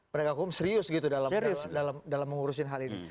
pendekat hukum serius dalam menguruskan hal ini